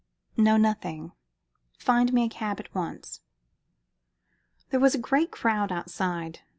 "No, nothing. Find me a cab at once." There was a great crowd outside.